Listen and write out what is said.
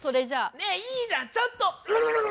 ねえいいじゃんちょっと。